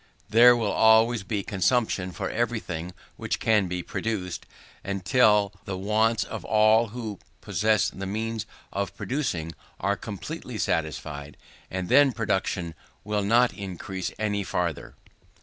There will always be consumption for everything which can be produced, until the wants of all who possess the means of producing are completely satisfied, and then production will not increase any farther.